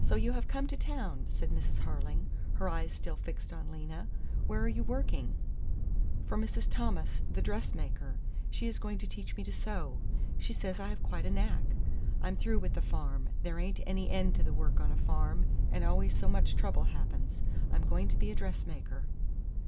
"So you have come to town," said Mrs. Harling, her eyes still fixed on Lena. "Where are you working?" "For Mrs. Thomas, the dressmaker. She is going to teach me to sew. She says I have quite a knack. I'm through with the farm. There ain't any end to the work on a farm, and always so much trouble happens. I'm going to be a dressmaker."